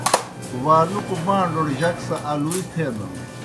والُکوْ بان٘ڈوڑ جک سہ آلُوئے تھینَن۔